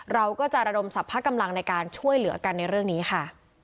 เราก็จะระดมสรรพกำลังในการช่วยเหลือกันในเรื่องนี้ค่ะ